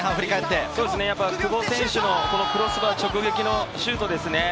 久保選手のクロスバー直撃のシュートですね。